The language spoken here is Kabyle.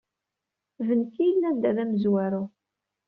D nekk i yellan da d amezwaru.